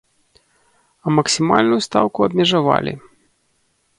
А максімальную стаўку абмежавалі.